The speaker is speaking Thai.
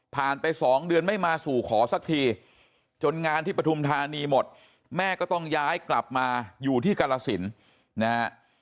ไป๒เดือนไม่มาสู่ขอสักทีจนงานที่ปฐุมธานีหมดแม่ก็ต้องย้ายกลับมาอยู่ที่กรสินนะฮะ